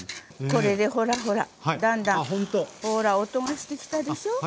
これでほらほらだんだん音がしてきたでしょう？